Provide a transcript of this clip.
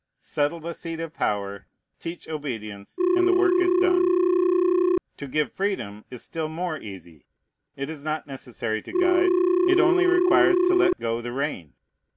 Settle the seat of power, teach obedience, and the work is done. To give freedom is still more easy. It is not necessary to guide; it only requires to let go the rein.